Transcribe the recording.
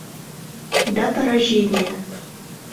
Дата рождения